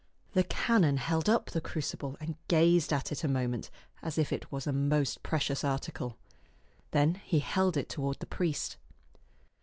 The canon held up the crucible and gazed at it a moment as if it was a most precious article. Then he held it toward the priest.